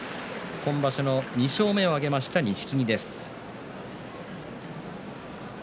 今場所２勝を挙げた錦木です。